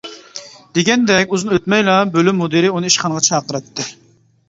دېگەندەك ئۇزۇن ئۆتمەيلا بۆلۈم مۇدىرى ئۇنى ئىشخانىغا چاقىرتتى.